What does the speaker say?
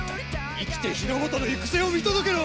生きて日の本の行く末を見届けろ。